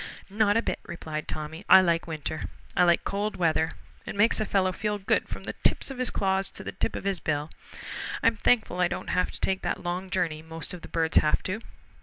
"Not a bit," replied Tommy. "I like winter. I like cold weather. It makes a fellow feel good from the tips of his claws to the tip of his bill. I'm thankful I don't have to take that long journey most of the birds have to.